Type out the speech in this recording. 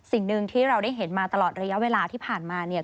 สิ่งหนึ่งที่เราได้เห็นมาตลอดระยะเวลาที่ผ่านมาเนี่ย